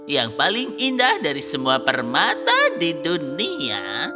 yang paling indah dari semua permata di dunia